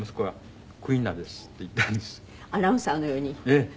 ええ。